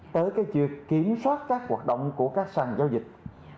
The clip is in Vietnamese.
tới cái chuyện kiểm soát các hoạt động của các sản giao dịch